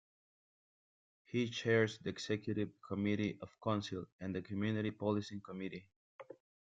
He chairs the executive committee of council and the community policing committee.